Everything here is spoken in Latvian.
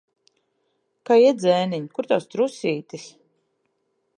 Kā iet, zēniņ? Kur tavs trusītis?